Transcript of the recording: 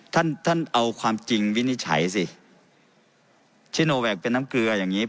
ท่านท่านเอาความจริงวินิจฉัยสิชิโนแวคเป็นน้ำเกลืออย่างงี้